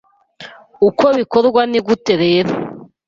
Uko bikorwa ni gute rero